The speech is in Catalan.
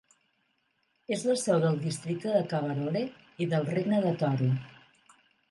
És la seu del districte de Kabarole i del regne de Toro.